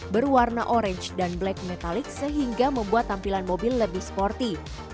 berwarna orange dan black metalik sehingga membuat tampilan mobil lebih sporty